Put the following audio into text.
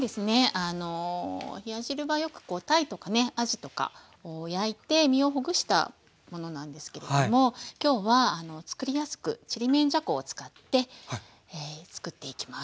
あの冷や汁はよくこうたいとかねあじとかを焼いて身をほぐしたものなんですけれども今日は作りやすくちりめんじゃこを使って作っていきます。